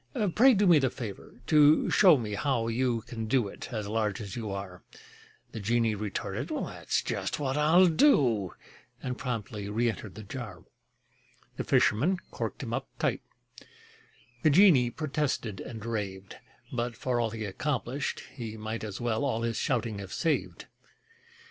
Pray do me the favor to show me how you Can do it, as large as you are." The genie retorted: "That's just what I'll do!" And promptly reëntered the jar. The fisherman corked him up tight: The genie protested and raved, But for all he accomplished, he might As well all his shouting have saved.